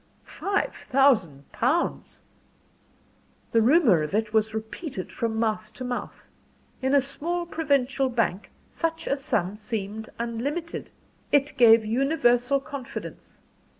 "Five thousand pounds!" The rumour of it was repeated from mouth to mouth. In a small provincial bank, such a sum seemed unlimited. It gave universal confidence.